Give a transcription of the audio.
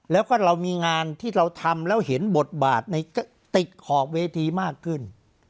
แล้วก็เรามีงานที่เราทำแล้วเห็นบทบาทในติดขอบเวทีมากขึ้น